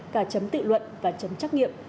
cả chấm tự luận và chấm trắc nghiệm